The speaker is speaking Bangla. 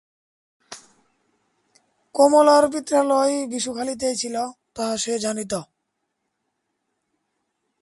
কমলার পিত্রালয় বিশুখালিতেই ছিল, তাহা সে জানিত।